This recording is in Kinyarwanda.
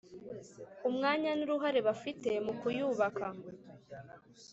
umwanya n’uruhare bafite mu kuyubaka.